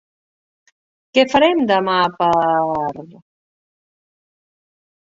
Què farem demà per??